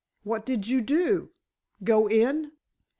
"What did you do? Go in?"